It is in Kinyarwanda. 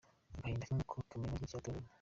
Agahinda k’inkoko kamenywa n’inkike yatoyemo.